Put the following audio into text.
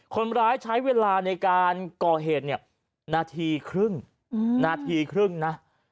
คนร้ายใช้เวลาในการก่อเหตุเนี่ยนาทีครึ่งนาทีครึ่งนะ